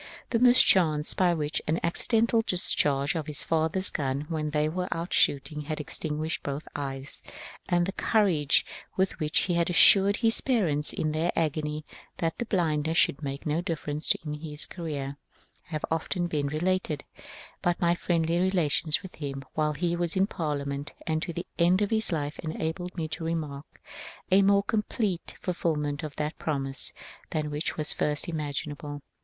The mischance by which the accidental discharge of his father's g^n, when they were out shooting, had extinguished both eyes, and the cour age with which he had assured his parents in their agony that the blindness should make no difference in his career, have often been related ; but my friendly relations with him while he was in Parliament and to the end of his life enabled me to remark a more complete fulfilment of that promise than was at first imaginable.